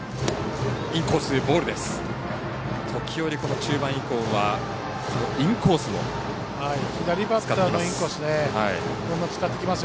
時折、中盤以降はインコースを使っています。